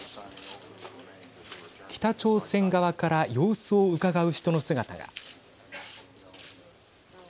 北朝鮮側から様子をうかがう人の姿が。